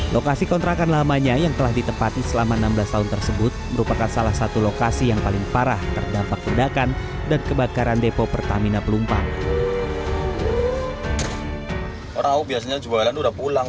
lokasi kontrakan lamanya yang telah ditempati selama enam belas tahun tersebut merupakan salah satu lokasi yang paling parah terdampak ledakan dan kebakaran depo pertamina pelumpang